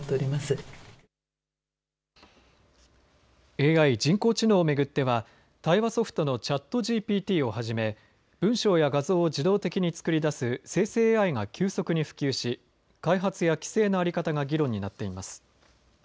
ＡＩ・人工知能を巡っては対話ソフトのチャットＧＰＴをはじめ文章や画像を自動的に作り出す生成ＡＩが急速に普及し開発や規制の在り方が議論になっています。